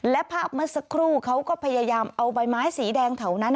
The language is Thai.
และพามาสักครู่เขาก็พยายามเอาใบไม้สีแดงเท่านั้น